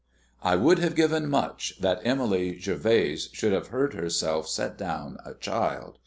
I would have given much that Emily Gervase should have heard herself set down a child.